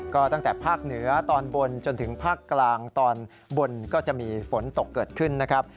ก็ตั้งแต่ภาคเหนือตอนบนจนถึงภาคกลางตอนบนก็จะมีฝนตกเกิดขึ้นนะครับ